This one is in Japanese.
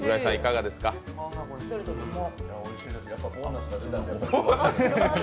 おいしいです、やっぱボーナスがきたので。